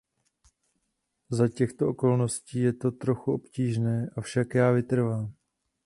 Za těchto okolností je to trochu obtížné, avšak já vytrvám.